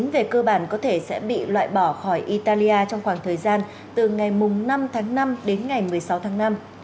về cơ bản có thể sẽ bị loại bỏ khỏi italia trong khoảng thời gian từ ngày năm tháng năm đến ngày một mươi sáu tháng năm